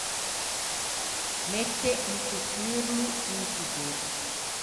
Mette into curlo un figgeu.